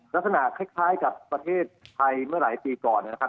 ลักษณะคล้ายกับประเทศไทยเมื่อหลายปีก่อนนะครับ